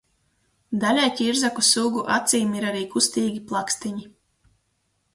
Daļai ķirzaku sugu acīm ir arī kustīgi plakstiņi.